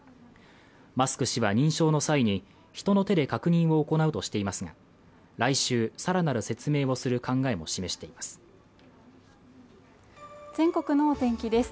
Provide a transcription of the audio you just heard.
マスク氏は認証の際に人の手で確認を行うとしていますが来週さらなる説明をする考えも示しています全国のお天気です